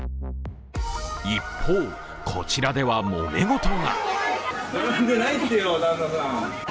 一方、こちらではもめ事が。